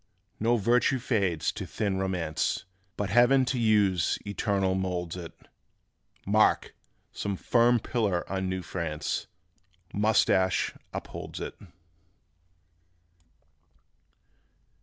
No virtue fades to thin romance But Heaven to use eternal moulds it: Mark! Some firm pillar of new France, Moustache upholds it.